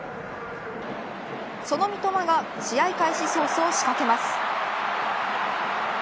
その三笘が試合開始早々仕掛けます。